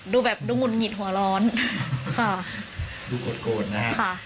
ดูแบบดูหุดหงิดหัวร้อนค่ะดูโกรธโกรธนะฮะค่ะ